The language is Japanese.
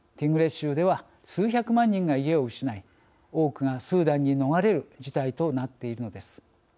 州では数百万人が家を失い多くがスーダンに逃れる事態となっているのです。